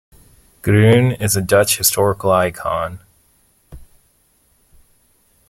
Groen is a Dutch historical icon.